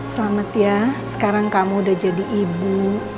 selamat ya sekarang kamu udah jadi ibu